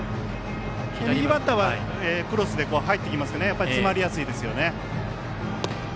右バッターはクロスで入ってきますと詰まりやすいですよね。